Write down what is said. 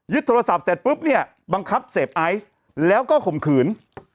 โทรศัพท์เสร็จปุ๊บเนี่ยบังคับเสพไอซ์แล้วก็ข่มขืน